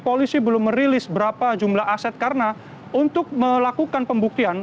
polisi belum merilis berapa jumlah aset karena untuk melakukan pembuktian